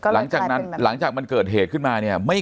หลังจากนั้นหลังจากมันเกิดเหตุขึ้นมาเนี่ย